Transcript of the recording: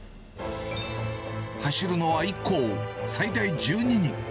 走るのは１校最大１２人。